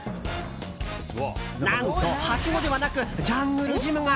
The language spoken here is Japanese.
何と、はしごではなくジャングルジムが。